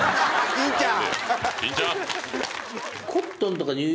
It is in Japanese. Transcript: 金ちゃん！